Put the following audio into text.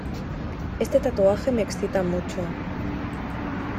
Este tatuaje me excita mucho.